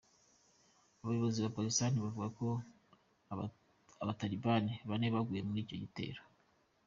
Abayobozi ba Pakistan bavuga ko Abatalibani bane baguye muri icyo gitero.